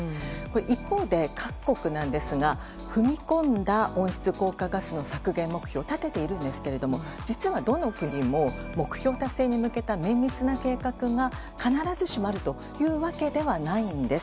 一方で各国なんですが踏み込んだ温室効果ガスの削減目標を立てているんですけど実は、どの国も目標達成に向けた綿密な計画が必ずしもあるというわけではないんです。